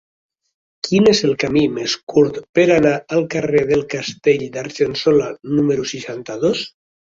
Quin és el camí més curt per anar al carrer del Castell d'Argençola número seixanta-dos?